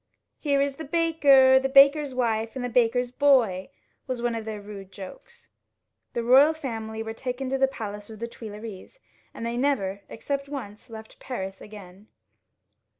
"Here is the baker, the baker's wife, and the baker's boy," was one of their rude jokes. The royal family was taken to the palace of the Tuileries, and they never, except once, left Paris again.